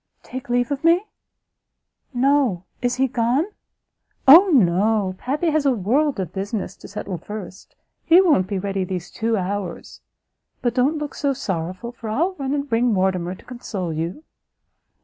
"Take leave of me? No, is he gone?" "O no, Pappy has a world of business to settle first; he won't be ready these two hours. But don't look so sorrowful, for I'll run and bring Mortimer to console you."